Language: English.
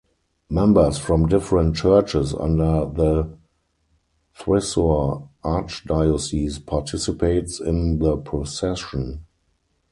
Members from different churches under the Thrissur Archdiocese participates in the procession.